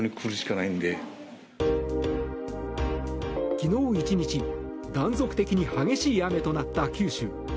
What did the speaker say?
昨日１日断続的に激しい雨となった九州。